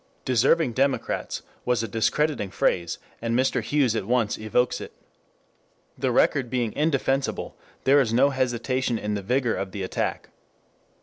"Deserving Democrats" was a discrediting phrase, and Mr. Hughes at once evokes it. The record being indefensible, there is no hesitation in the vigor of the attack.